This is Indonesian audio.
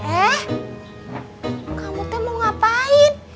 eh kamu tuh mau ngapain